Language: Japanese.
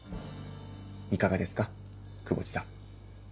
いかがですか窪地さん。